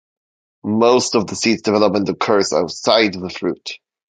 Most of the seed's development occurs "outside" the fruit.